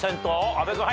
阿部君。